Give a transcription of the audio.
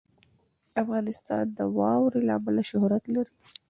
افغانستان د واوره له امله شهرت لري.